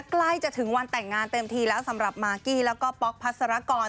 ใกล้จะถึงวันแต่งงานเต็มทีแล้วสำหรับมากกี้แล้วก็ป๊อกพัสรกร